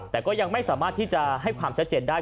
แต่ก็ยังไม่สามารถที่จะให้ความชัดเจนได้